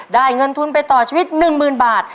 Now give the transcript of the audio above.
เงินทุนไปต่อชีวิต๑๐๐๐บาท